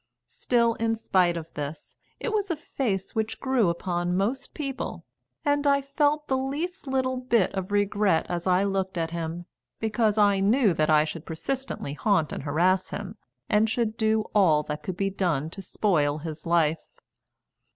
Still, in spite of this, it was a face which grew upon most people, and I felt the least little bit of regret as I looked at him, because I knew that I should persistently haunt and harass him, and should do all that could be done to spoil his life.